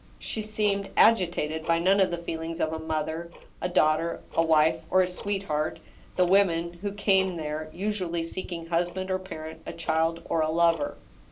She seemed agitated by none of the feelings of a mother, a daughter, a wife, or a sweetheart, the women who came there usually seeking husband or parent, a child or a lover.